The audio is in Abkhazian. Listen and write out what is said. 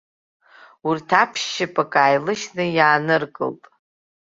Урҭ аԥшьшьапык ааилышьны иааныркылт.